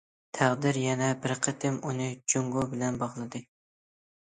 تەقدىر يەنە بىر قېتىم ئۇنى جۇڭگو بىلەن باغلىدى.